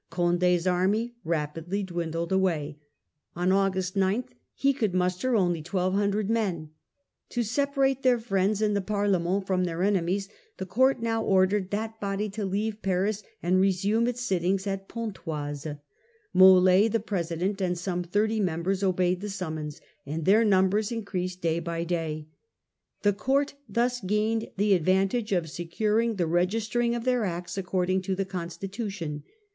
Conde's army rapidly dwindled away ; on August 9 he could muster only 1,200 men. To separate their friends in the Par lenient from Th P U ^ lc * r encm ^ es >^ ie court now ordered that ment of ' body to leave Paris and resume its sittings at Pontoise. pontoise. Mold, the president, and some thirty members obeyed the summons, and their numbers in creased day by day. The court thus gained the advantage of securing the registering of their acts according to the constii ution.